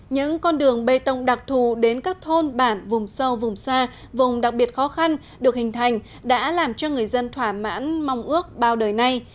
những con đường bê tông đặc thù đến các thôn bản vùng sâu vùng xa vùng đặc biệt khó khăn được hình thành đã làm cho người dân thỏa mãn mong ước bao đời nay